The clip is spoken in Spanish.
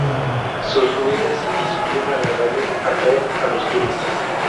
Sus ruinas y su clima agradable atraen a los turistas.